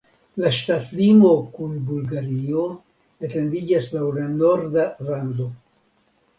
La ŝtatlimo kun Bulgario etendiĝas laŭ la norda rando.